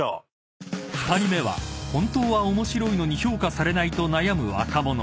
［２人目は本当は面白いのに評価されないと悩む若者］